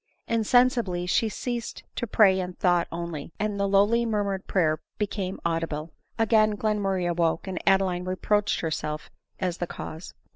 Insensibly she ceased to pray in thought only, and the lowly murmured prayer became audible. Again Glen murray awoke, and Adeline reproached herself as the cause.